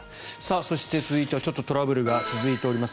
そして、続いてはちょっとトラブルが続いております。